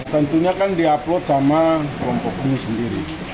tentunya kan di upload sama kelompok ini sendiri